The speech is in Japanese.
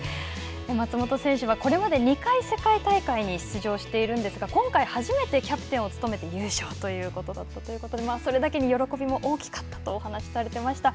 松元選手はこれまで２回世界大会に出場しているんですが、今回初めてキャプテンを務めて優勝ということだったということで、それだけに喜びも大きかったとお話しされてました。